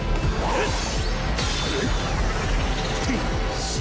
うっ！